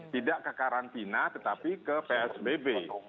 tidak ke karantina tetapi ke psbb